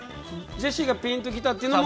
ジェシーがピンと来たっていうのも？